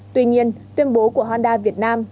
tuy nhiên tuyên bố của honda việt nam